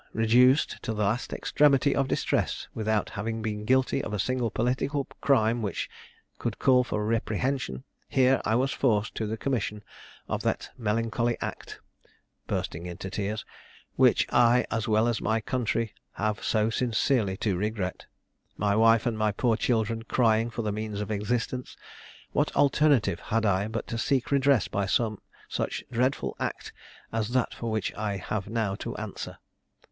Reduced to the last extremity of distress without having been guilty of a single political crime which could call for reprehension, here I was forced to the commission of that melancholy act (bursting into tears) which I, as well as my country, have so sincerely to regret. My wife and my poor children crying for the means of existence, what alternative had I but to seek redress by some such dreadful act as that for which I have now to answer?